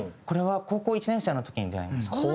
これは高校１年生の時に出会いました。